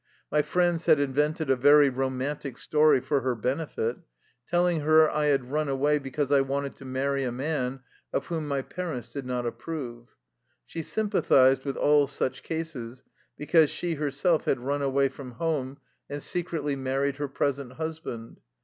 My friends had in vented a very romantic story for her benefit, tell ing her I had run away because I wanted to marry a man of whom my parents did not ap prove. She sympathized with all such cases, be cause she herself had run away from home and secretly married her present husband.